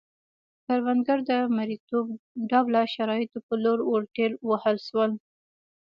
کروندګر د مریتوب ډوله شرایطو په لور ورټېل وهل شول.